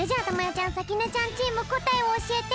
ちゃんさきねちゃんチームこたえをおしえて。